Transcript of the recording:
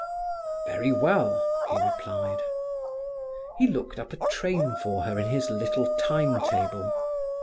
"Very well," he replied. He looked up a train for her in his little time table.